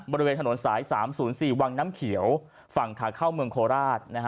บริเวณถนนสายสามศูนย์สี่วังน้ำเขียวฝั่งขาเข้าเมืองโคราชนะฮะ